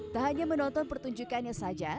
tak hanya menonton pertunjukannya saja